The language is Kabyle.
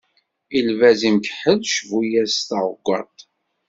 I lbaz imkeḥḥel, cbu-yas taɣeggaṭ.